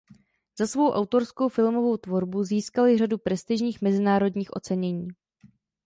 Za svou autorskou filmovou tvorbu získali řadu prestižních mezinárodních ocenění.